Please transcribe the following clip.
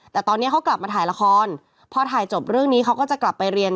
แต่ตอนนี้เขากลับมาถ่ายละครพอถ่ายจบเรื่องนี้เขาก็จะกลับไปเรียน